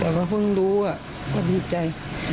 แต่ว่าเพิ่งรู้ว่าดีใจ